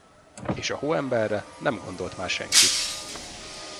És a hóemberre nem gondolt már senki.